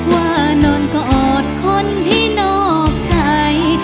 ว่านอนกอดคนที่นอกใจ